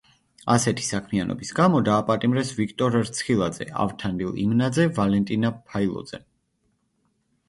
ასეთი საქმიანობის გამო დააპატიმრეს ვიქტორ რცხილაძე, ავთანდილ იმნაძე, ვალენტინა ფაილოძე.